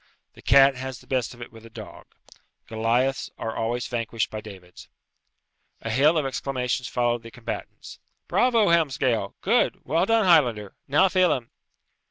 The cat has the best of it with a dog. Goliaths are always vanquished by Davids. A hail of exclamations followed the combatants. "Bravo, Helmsgail! Good! Well done, Highlander! Now, Phelem!"